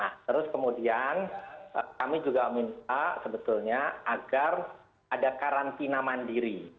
nah terus kemudian kami juga minta sebetulnya agar ada karantina mandiri